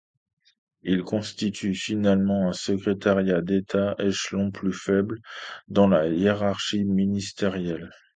Il constitue finalement un secrétariat d'État, échelon plus faible dans la hiérarchie ministérielle.